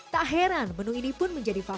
tak heran menu ini pun menjadi favorit